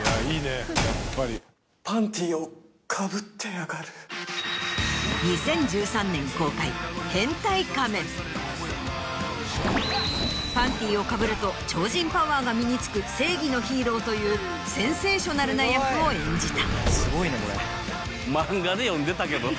・パンティーをかぶってやがる・パンティーをかぶると超人パワーが身に付く正義のヒーローというセンセーショナルな役を演じた。